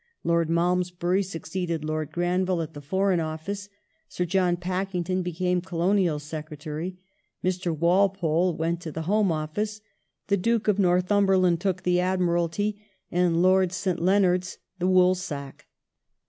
Lord Malmesbury succeeded Lord Granville at the Foreign Office, Sir John Pakington became Colonial Secretaiy, Mr. Walpole went to the Home Office. The Duke of Northumberland took the Admiralty and Lord St. Leonards the Woolsack.